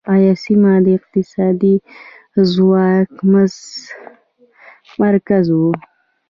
دا سیمه د اقتصادي ځواک مرکز و